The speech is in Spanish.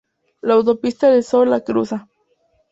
La Autopista del Sol la cruza.